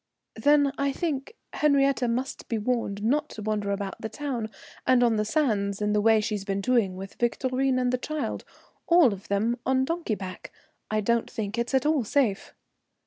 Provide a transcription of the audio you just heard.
"Then I think Henriette must be warned not to wander about the town and on the sands in the way she's been doing with Victorine and the child, all of them on donkey back. I don't think it's at all safe."